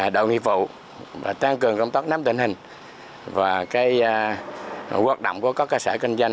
đầu nhiệm vụ tăng cường công tác nắm tình hình và hoạt động của các cơ sở kinh doanh